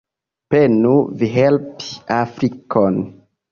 Penu vi helpi Afrikon.